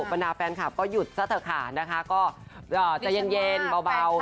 ปัญหาแฟนคลับก็หยุดซะเถอะขาดนะคะก็ใจเย็นเบาสงสาร